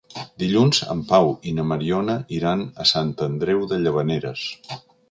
Dilluns en Pau i na Mariona iran a Sant Andreu de Llavaneres.